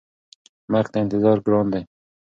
مرګ ته انتظار ګران دی.